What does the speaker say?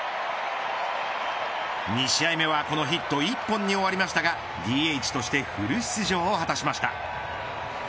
２試合目はこのヒット一本に終わりましたがＤＨとしてフル出場を果たしました。